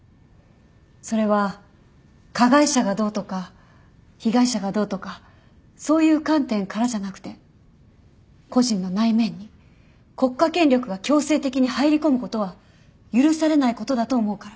それは加害者がどうとか被害者がどうとかそういう観点からじゃなくて個人の内面に国家権力が強制的に入り込むことは許されないことだと思うから。